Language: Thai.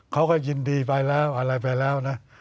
เขาก็ยินดีไปแล้วอะไรไปแล้วนะ